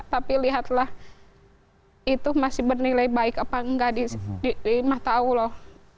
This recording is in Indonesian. tapi lihatlah itu masih bernilai baik apa enggak di mata allah